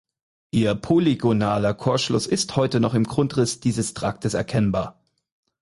Ihr polygonaler Chorschluss ist noch heute im Grundriss dieses Traktes erkennbar.